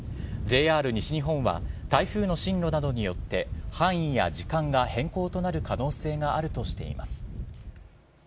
ＪＲ西日本は、台風の進路などによって、範囲や時間が変更となる可能性があるとしています。